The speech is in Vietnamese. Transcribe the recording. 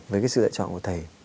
với sự lựa chọn của thầy